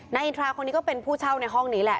อินทราคนนี้ก็เป็นผู้เช่าในห้องนี้แหละ